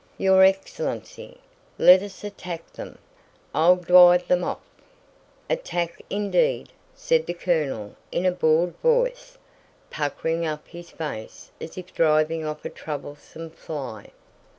"Your excellency! Let us attack them! I'll dwive them off." "Attack indeed!" said the colonel in a bored voice, puckering up his face as if driving off a troublesome fly.